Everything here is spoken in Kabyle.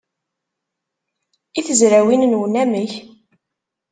I tezrawin-nwen, amek?